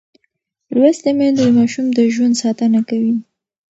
لوستې میندې د ماشوم د ژوند ساتنه کوي.